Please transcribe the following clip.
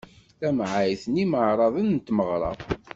Tamɛayt n imeɛraḍen n tmeɣra.